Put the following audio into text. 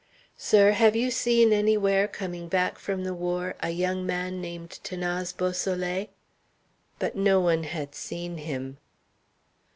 "Sir, have you seen anywhere, coming back from the war, a young man named 'Thanase Beausoleil?" But no one had seen him.